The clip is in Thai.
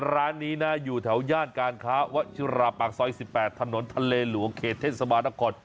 ร้านนี้นะอยู่แถวย่านการค้าวัชิราปากซอย๑๘ถนนทะเลหลวงเขตเทศบาลนคร